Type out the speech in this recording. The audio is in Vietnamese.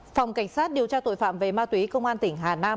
phòng cảnh sát điều tra tội phạm về ma túy công an tỉnh hà nam